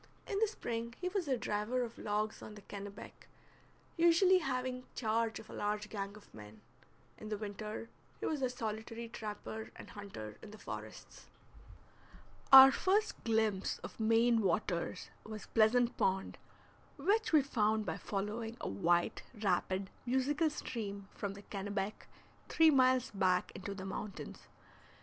In the spring he was a driver of logs on the Kennebec, usually having charge of a large gang of men; in the winter he was a solitary trapper and hunter in the forests. Our first glimpse of Maine waters was Pleasant Pond, which we found by following a white, rapid, musical stream from the Kennebec three miles back into the mountains.